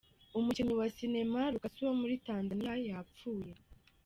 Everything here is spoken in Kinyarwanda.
Umukinnyi wa sinema Rukasu womuri Tanzaniya yapfuye